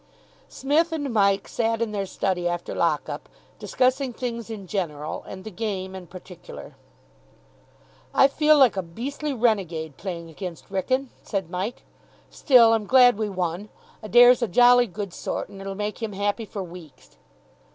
Psmith and Mike sat in their study after lock up, discussing things in general and the game in particular. "I feel like a beastly renegade, playing against Wrykyn," said Mike. "Still, I'm glad we won. Adair's a jolly good sort, and it'll make him happy for weeks."